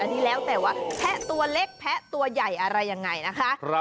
อันนี้แล้วแต่ว่าแพะตัวเล็กแพะตัวใหญ่อะไรยังไงนะคะ